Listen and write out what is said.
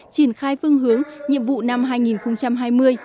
triển khai phương hướng nhiệm vụ năm hai nghìn hai mươi